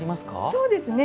そうですね。